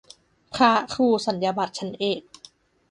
พระครูสัญญาบัตรชั้นเอก